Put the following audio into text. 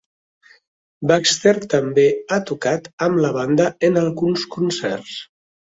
Baxter també ha tocat amb la banda en alguns concerts.